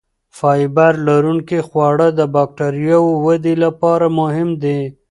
فایبر لرونکي خواړه د بکتریاوو ودې لپاره مهم دي.